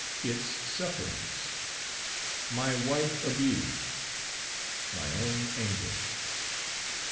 Its sufferings. My wife abused. My own anguish.